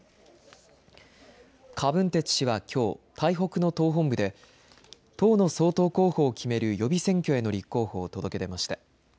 柯文哲氏はきょう台北の党本部で党の総統候補を決める予備選挙への立候補を届け出ました。